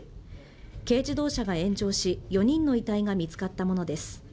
軽自動車が炎上し４人の遺体が見つかったものです。